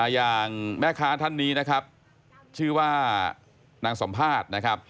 อย่างแม่ค้าท่านนี้ชื่อว่านางสมภาษณ์